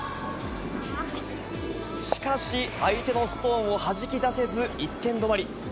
しかし、相手のストーンをはじき出せず、１点止まり。